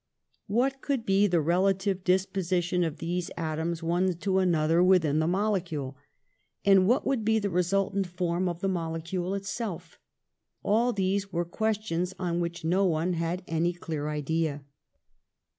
What could be the relative disposition of these atoms, one to an A LABORIOUS YOUTH 25 other, within the molecule? And what would be the resultant form of the molecule itself? All these were questions on which no one had any clear idea."